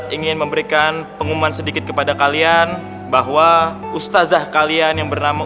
ingin memberikan pengumuman sedikit kepada kalian bahwa ustazah kalian yang bernama